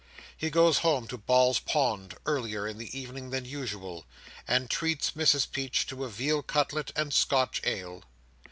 He goes home to Ball's Pond earlier in the evening than usual, and treats Mrs Perch to a veal cutlet and Scotch ale.